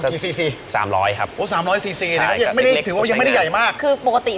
พี่ซีซี